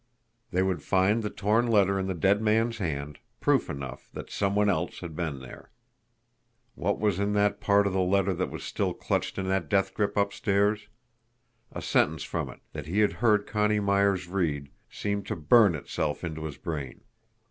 They would find the torn letter in the dead man's hand, proof enough that some one else had been there. What was in that part of the letter that was still clutched in that death grip upstairs? A sentence from it, that he had heard Connie Myers read, seemed to burn itself into his brain.